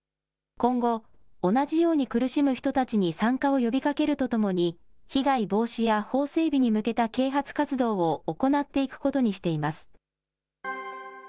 今後、同じように苦しむ人たちに参加を呼びかけるとともに、被害防止や法整備に向けた啓発活動を行っていくことにしています。